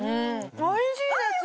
おいしいです